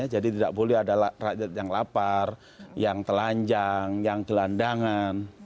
jadi tidak boleh ada rakyat yang lapar yang telanjang yang gelandangan